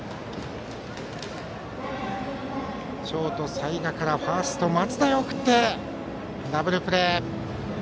ショート齊賀からファースト松田へ送ってダブルプレー。